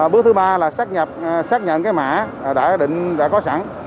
bước thứ ba là xác nhận cái mã đã có sẵn